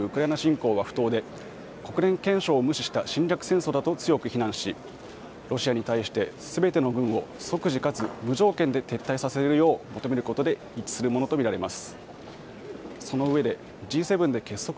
この中ではロシアによるウクライナ侵攻は不当で国連憲章を無視した侵略戦争だと強く非難しロシアに対してすべての軍を即時かつ無条件で撤退させるよう求めることで一致するものとみられます。